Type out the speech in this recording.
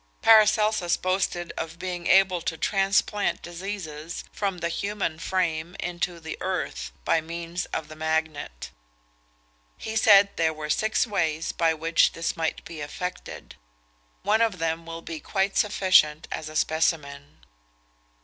Paracelsus boasted of being able to transplant diseases from the human frame into the earth, by means of the magnet. He said there were six ways by which this might be effected. One of them will be quite sufficient as a specimen.